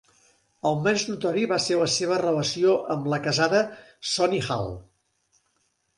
El més notori va ser la seva relació amb la casada Sonnie Hale.